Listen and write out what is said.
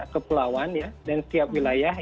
kepulauan dan setiap wilayah